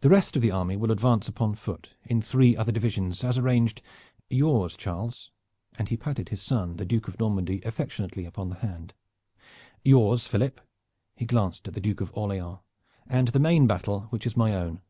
The rest of the army will advance upon foot, in three other divisions as arranged: yours, Charles," and he patted his son, the Duke of Normandy, affectionately upon the hand; "yours, Philip," he glanced at the Duke of Orleans; "and the main battle which is my own.